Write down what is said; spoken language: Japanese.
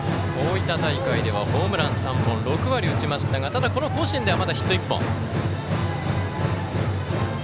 大分大会ではホームラン３本６割打ちましたがこの甲子園では、まだヒット１本。